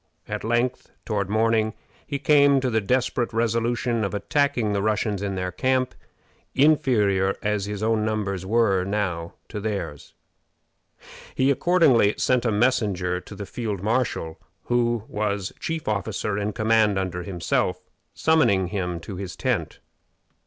At length, toward morning, he came to the desperate resolution of attacking the Russians in their camp, inferior as his own numbers were now to theirs. He accordingly sent a messenger to the field marshal, who was chief officer in command under himself, summoning him to his tent.